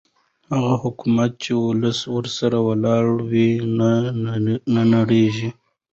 هغه حکومت چې ولس ورسره ولاړ وي نه نړېږي